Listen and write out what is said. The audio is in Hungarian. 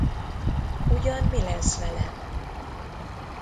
Ugyan mi lesz velem?